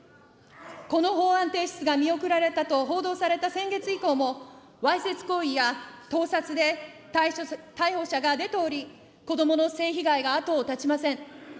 この法案提出が見送られたと報道された先月以降も、わいせつ行為や盗撮で逮捕者が出ており、子どもの性被害が後を絶ちません。